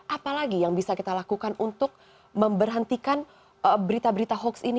apalagi yang bisa kita lakukan untuk memberhentikan berita berita hoax ini